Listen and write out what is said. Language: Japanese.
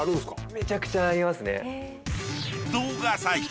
めちゃくちゃありますね。